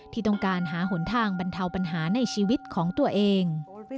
ที่ต้องการหาหนทางบรรเทาปัญหาในชีวิตของตัวเอง